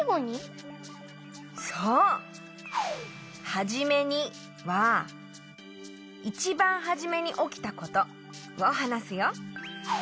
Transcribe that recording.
「はじめに」はいちばんはじめにおきたことをはなすよ。